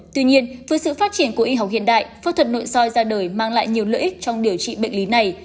tuy nhiên với sự phát triển của y học hiện đại phẫu thuật nội soi ra đời mang lại nhiều lợi ích trong điều trị bệnh lý này